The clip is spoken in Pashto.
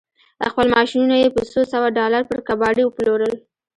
خپل ماشينونه يې په څو سوه ډالر پر کباړي وپلورل.